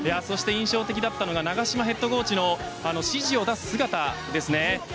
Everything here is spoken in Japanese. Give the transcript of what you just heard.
印象的だったのが長島ヘッドコーチの指示を出す姿ですね。